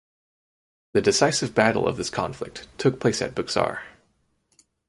The decisive battle of this conflict took place at Buxar.